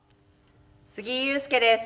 杉井勇介です。